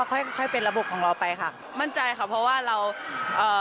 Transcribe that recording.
ค่อยค่อยเป็นระบบของเราไปค่ะมั่นใจค่ะเพราะว่าเราเอ่อ